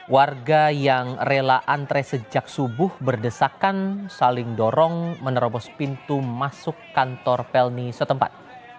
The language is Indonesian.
warga yang rela antre sejak subuh berdesakan saling dorong menerobos pintu masuk kantor pelni setempat